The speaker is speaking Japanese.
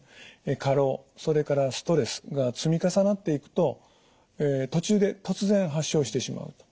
過労それからストレスが積み重なっていくと途中で突然発症してしまうと。